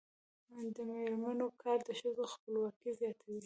د میرمنو کار د ښځو خپلواکي زیاتوي.